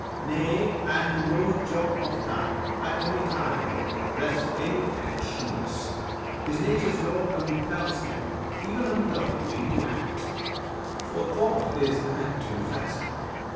Nay, and no jot of time, at any time, Rests any actionless; his nature's law Compels him, even unwilling, into act; [For thought is act in fancy].